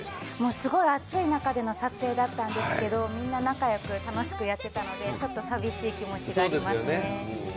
すごい暑い中での撮影だったんですけどみんな仲良く、楽しくやってたのでちょっと寂しい気持ちがありますね。